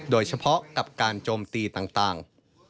โดยเฉพาะกับการโจมตีต่าง